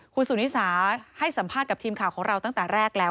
คุณสุนิสาให้สัมภาษณ์กับทีมข่าวของเราตั้งแต่แรกแล้ว